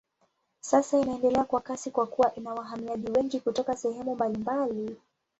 Sasa inaendelea kwa kasi kwa kuwa ina wahamiaji wengi kutoka sehemu mbalimbali.